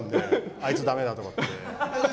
あいつだめだって。